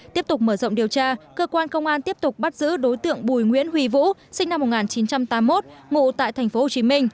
tiếp tục mở rộng điều tra cơ quan công an tiếp tục bắt giữ đối tượng bùi nguyễn huy vũ sinh năm một nghìn chín trăm tám mươi một ngụ tại tp hcm